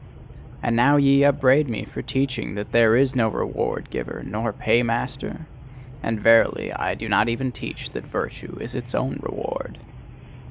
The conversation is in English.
And now ye upbraid me for teaching that there is no reward giver, nor paymaster? And verily, I do not even teach that virtue is its own reward.